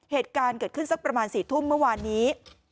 เหตุการณ์เกิดขึ้นสักประมาณ๔ทุ่มเมื่อวานนี้